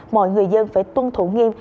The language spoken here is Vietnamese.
mọi người dân phải tuân thủ nghiêm